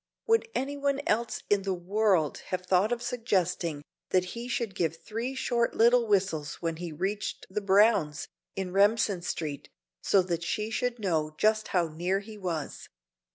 Would any one else in the world have thought of suggesting that he should give three short little whistles when he reached the Browns', in Remsen Street, so that she should know just how near he was?